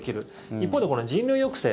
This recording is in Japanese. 一方で、人流抑制。